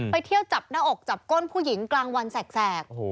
ไปเที่ยวจับหน้าอกจับก้นผู้หญิงกลางวันแสก